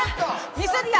ミスった！